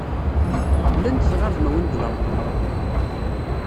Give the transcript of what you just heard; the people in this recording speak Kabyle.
Llant tɣirdmawin deg Lalman?